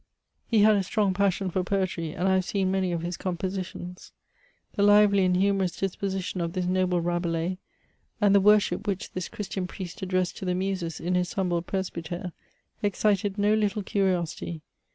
He had a strong passion for poetry ; and I have seen many of his compositions. The lively and humorous disposition of this noble Rabelais, and the worship which this Christian priest addressed to the Muses in his humble presbyt^re, excited no little curiosity.